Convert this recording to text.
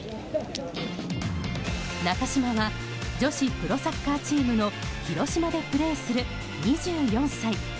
中嶋は女子プロサッカーチームの広島でプレーする２４歳。